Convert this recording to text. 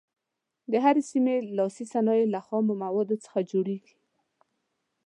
د هرې سیمې لاسي صنایع له خامو موادو څخه جوړیږي.